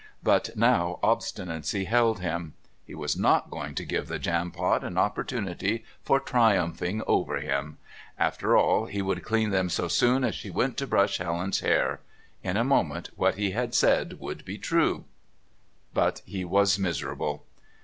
But now obstinacy held him. He was not going to give the Jampot an opportunity for triumphing over him. After all, he would clean them so soon as she went to brush Helen's hair. In a moment what he had said would be true. But he was miserable.